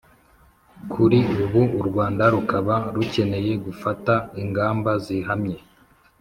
kuri ubu u rwanda rukaba rukeneye gufata ingamba zihamye